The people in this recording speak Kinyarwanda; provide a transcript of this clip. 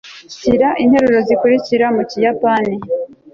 shyira interuro zikurikira mu kiyapani